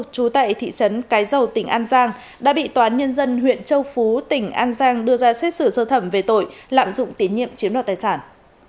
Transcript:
chú tại thị trấn cái dầu tỉnh an giang đã bị toán nhân dân huyện châu phú tỉnh an giang đưa ra xét xử sơ thẩm về tội lạm dụng tín nhiệm chiếm đoạt tài sản